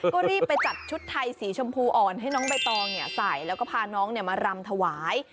ก็รีบไปจัดชุดไทยสีชมพูอ่อนให้น้องใบตองใส่แล้วก็พาน้องมารำถวาย